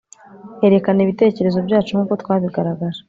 Erekana ibitekerezo byacu nkuko twabigaragaje